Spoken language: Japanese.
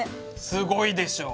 すごいでしょ！